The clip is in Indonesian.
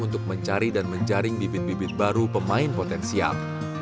untuk mencari dan menjaring bibit bibit baru pemain potensial